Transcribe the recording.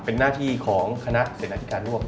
เป็นหน้าที่ของคณะเสนอธิการร่วม